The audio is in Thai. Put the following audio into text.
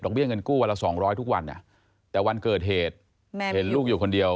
เบี้ยเงินกู้วันละ๒๐๐ทุกวันแต่วันเกิดเหตุเห็นลูกอยู่คนเดียว